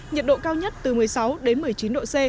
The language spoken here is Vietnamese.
nhiệt độ cao nhất từ một mươi sáu đến một mươi chín độ c